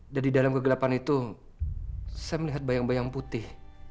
dan di dalam kegelapan itu saya melihat bayang bayang putih